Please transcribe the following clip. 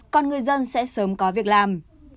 còn người dân sẽ sớm có việc làm